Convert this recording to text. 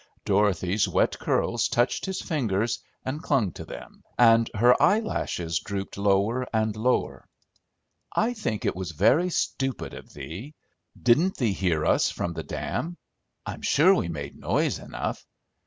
Dorothy's wet curls touched his fingers and clung to them, and her eyelashes drooped lower and lower. "I think it was very stupid of thee. Didn't thee hear us from the dam? I'm sure we made noise enough."